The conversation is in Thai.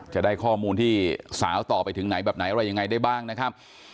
จะได้ข้อมูลที่สาวต่อไปถึงไหนแบบไหนอะไรยังไงได้บ้างนะครับ